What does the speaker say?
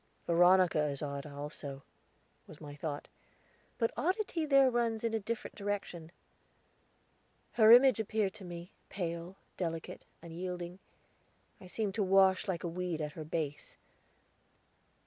"Veronica is odd, also," was my thought; "but oddity there runs in a different direction." Her image appeared to me, pale, delicate, unyielding. I seemed to wash like a weed at her base.